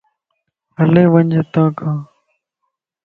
ھلي وڄ ھاکان